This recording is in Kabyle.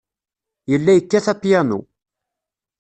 Yella yekkat apyanu.